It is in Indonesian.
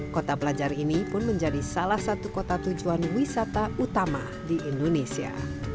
kota pelajar ini pun menjadi salah satu kota tujuan wisata utama di indonesia